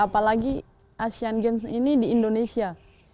apalagi asian games ini di indonesia